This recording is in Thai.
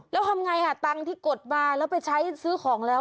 แล้วทำไงตังค์ที่กดมาแล้วไปใช้ซื้อของแล้ว